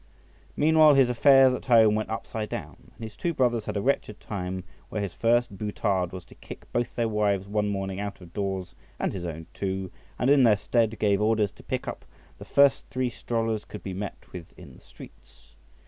Meantime his affairs at home went upside down, and his two brothers had a wretched time, where his first boutade was to kick both their wives one morning out of doors, and his own too, and in their stead gave orders to pick up the first three strollers could be met with in the streets.